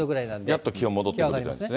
やっと気温戻ってくる感じですね。